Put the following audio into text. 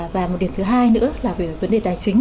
và một điểm thứ hai nữa là về vấn đề tài chính